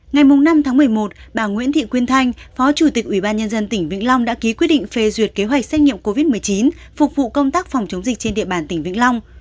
ngày năm tháng một mươi một bà nguyễn thị quyên thanh phó chủ tịch ủy ban nhân dân tỉnh vĩnh long đã ký quyết định phê duyệt kế hoạch xét nghiệm covid một mươi chín phục vụ công tác phòng chống dịch trên địa bàn tỉnh vĩnh long